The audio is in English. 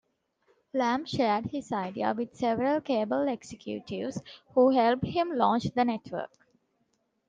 Lamb shared his idea with several cable executives, who helped him launch the network.